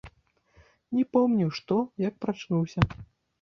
Не помніў што, як прачнуўся.